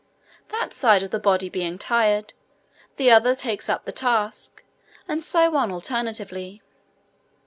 That side of the body being tired, the other takes up the task, and so on alternately.